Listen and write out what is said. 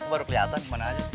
baru keliatan dimana aja